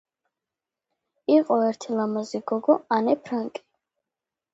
იყო ერთი ლამაზი გოგო ანე ფრანკი.